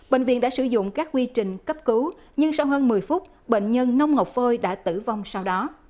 bệnh viện đã sử dụng các quy trình cấp cứu nhưng sau hơn một mươi phút bệnh nhân nông ngọc phơi đã tử vong sau đó